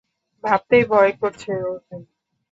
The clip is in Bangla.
ভাবতেই ভয় করছে, অর্জুন।